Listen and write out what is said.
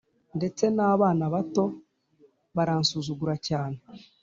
Ndetse n abana bato baransuzugura cyane